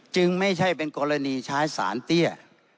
ไม่ใช่เป็นกรณีใช้สารเตี้ย